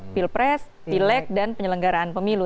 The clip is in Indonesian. pilpres pilek dan penyelenggaraan pemilu